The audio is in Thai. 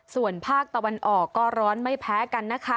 ส่วนภาคตะวันออกก็ร้อนไม่แพ้กันนะคะ